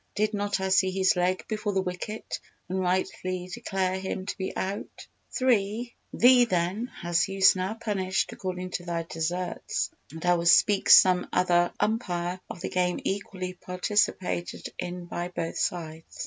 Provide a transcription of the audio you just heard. Did not I see his leg before the wicket and rightly declare him to be out? Thee, then, has Zeus now punished according to thy deserts and I will seek some other umpire of the game equally participated in by both sides."